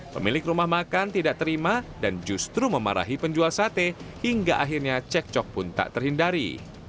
pemilik rumah makan tidak terima dan justru memarahi penjual sate hingga akhirnya cek cok pun tak terhindari